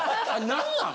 何なん？